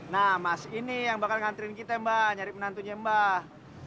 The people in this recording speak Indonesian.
nah mas ini yang bakal ngantriin kita mbak nyari penantunya mbak